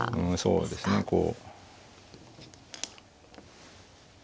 そうですねこう。